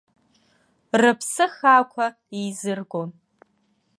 Рыԥсы хаақәа еизыргон.